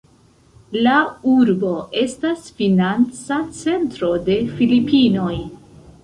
La urbo estas financa centro de Filipinoj.